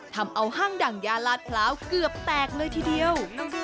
ทำเอาห้างดั่งยาลาดพร้าวเกือบแตกเลยทีเดียว